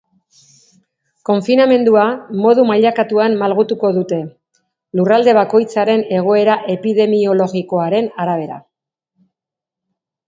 Konfinamendua modu mailakatuan malgutuko dute, lurralde bakoitzaren egoera epidemiologikoaren arabera.